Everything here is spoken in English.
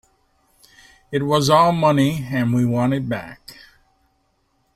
It was our money and we want it back.